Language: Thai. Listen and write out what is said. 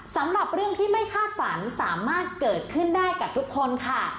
สำหรับเรื่องที่ไม่คาดฝันสามารถเกิดขึ้นได้กับทุกคนค่ะ